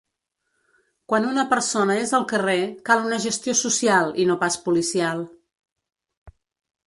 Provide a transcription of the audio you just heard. Quan una persona és al carrer, cal una gestió social i no pas policial.